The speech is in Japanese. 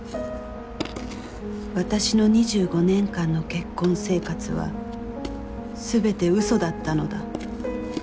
私の２５年間の結婚生活は全てウソだったのだ。